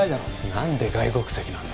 何で外国籍なんだ